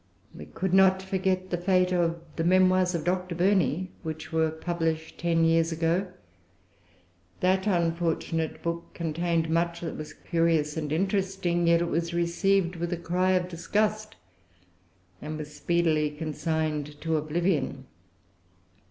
We could not forget the fate of the Memoirs of Dr. Burney, which were published ten years ago. That unfortunate book contained much that was curious and interesting. Yet it was received with a cry of disgust, and was speedily consigned to oblivion.